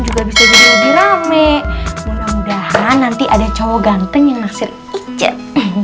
juga bisa jadi lagi rame mudah mudahan nanti ada cowok ganteng yang naksir icet